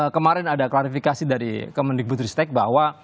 kemarin ada klarifikasi dari pemendikbud ristek bahwa